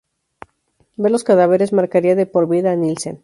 Ver los cadáveres marcaría de por vida a Nilsen.